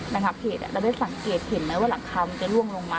ระงับเหตุเราได้สังเกตเห็นไหมว่าหลังคามันจะล่วงลงมา